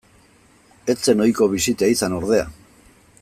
Ez zen ohiko bisita izan ordea.